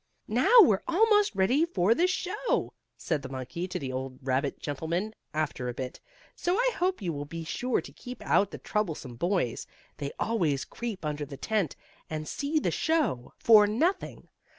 "Now we're almost ready for the show," said the monkey to the old gentleman rabbit, after a bit, "so I hope you will be sure to keep out the troublesome boys. They always creep under the tent, and see the show for nothing.